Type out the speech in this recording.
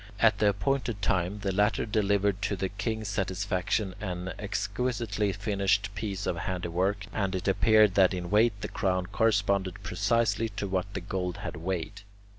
At the appointed time the latter delivered to the king's satisfaction an exquisitely finished piece of handiwork, and it appeared that in weight the crown corresponded precisely to what the gold had weighed.